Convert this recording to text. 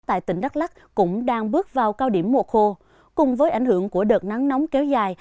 tại tỉnh đắk lắc cũng đang bước vào cao điểm mùa khô cùng với ảnh hưởng của đợt nắng nóng kéo dài